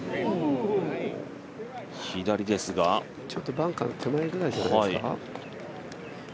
バンカーの手前ぐらいじゃないですか。